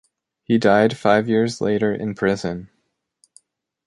He died five years later in prison.